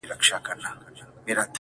راته شعرونه ښكاري-